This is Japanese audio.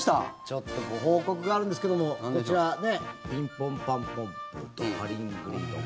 ちょっとご報告があるんですけどもこちら「ピンポンパンポンプー」と「パリングリンドーン」。